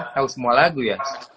tahu semua lagu ya